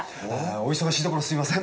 お忙しいところすみません。